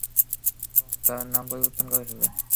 এবং তার নাম পরিবর্তন করে ফেলে।